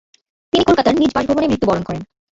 তিনি কলকাতার নিজ বাসভবনে মৃত্যুবরণ করেন।